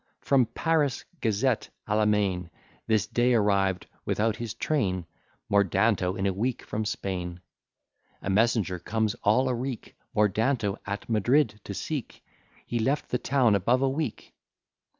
From Paris gazette à la main, This day arriv'd, without his train, Mordanto in a week from Spain. A messenger comes all a reek Mordanto at Madrid to seek; He left the town above a week.